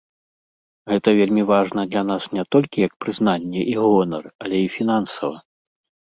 Гэта вельмі важна для нас не толькі як прызнанне і гонар, але і фінансава.